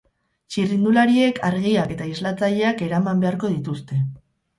Txirrindulariek argiak eta islatzaileak eraman beharko dituzte.